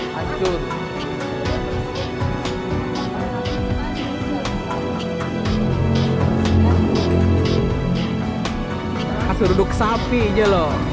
masuk duduk sapi aja loh